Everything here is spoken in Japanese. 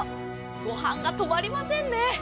ご飯が止まりませんね。